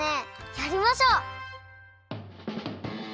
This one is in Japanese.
やりましょう！